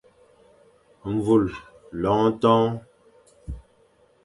Mvul, loñ ton.